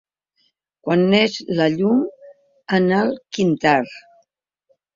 Quan neix la llum en el quintar.